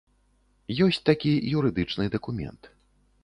Ёсць такі юрыдычны дакумент.